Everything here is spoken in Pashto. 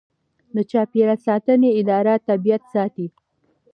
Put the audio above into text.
د چاپیریال ساتنې اداره طبیعت ساتي